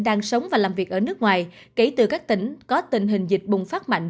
đang sống và làm việc ở nước ngoài kể từ các tỉnh có tình hình dịch bùng phát mạnh